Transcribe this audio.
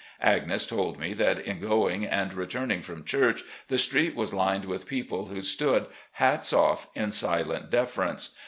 Agnes told me that in going and returning from church the street was lined with people who stood, hats off, in silent deference.